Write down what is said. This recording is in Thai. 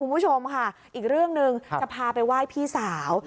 คุณผู้ชมค่ะอีกเรื่องหนึ่งจะพาไปไหว้พี่สาว